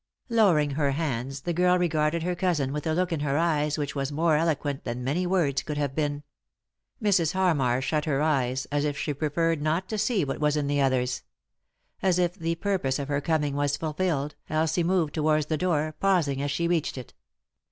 Lowering her hands, the girl regarded her cousin with a look in her eyes which was more eloquent than many words could have been. Mrs. Harmar shut her eyes, as if she preferred not to see what was in the other's. As if the purpose of her coming was fulfilled, Elsie moved towards the door, pausing as she reached it.